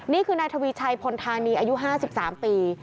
นี่คือนายทวีชัยพลธานีอายุ๕๓ปี